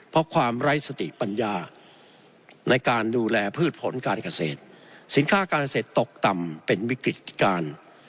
เพราะความไร้สติปัญญาในการดูแลพืชผลการเกษตรสินค้าการเกษตรตกต่ำเป็นวิกฤติการ